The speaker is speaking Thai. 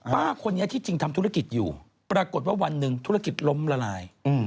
ป้าคนนี้ที่จริงทำธุรกิจอยู่ปรากฏว่าวันหนึ่งธุรกิจล้มละลาย